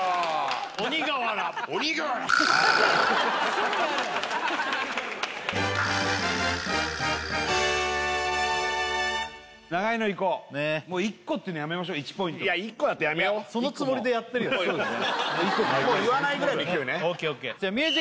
鬼瓦鬼瓦すぐやる長いのいこうもう１個っていうのやめましょう１ポイントいや１個だったらやめよういつもそうですねもう言わないぐらいの勢いねＯＫＯＫ